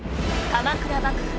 鎌倉幕府